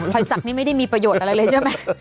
อยสักนี่ไม่ได้มีประโยชน์อะไรเลยใช่ไหม